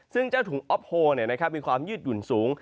ซึ่งเจ้าถุงออฟโฮมีความยืดหยุ่นสูง